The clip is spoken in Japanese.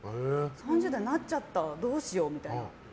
３０代になっちゃったどうしようみたいな。